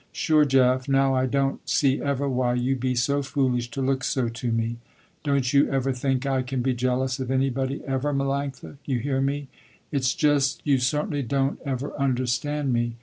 Sure Jeff, now I don't see ever why you be so foolish to look so to me." "Don't you ever think I can be jealous of anybody ever Melanctha, you hear me. It's just, you certainly don't ever understand me.